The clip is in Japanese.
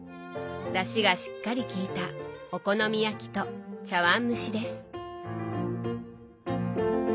だしがしっかりきいたお好み焼きと茶碗蒸しです。